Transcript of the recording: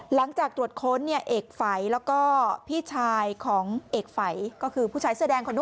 หลังจากตรวจค้นเอกฝัยแล้วก็พี่ชายของเอกฝัย